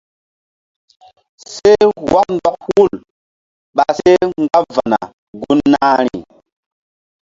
Seh wɔk ndɔk hul ɓa seh mgba va̧na gun nahi.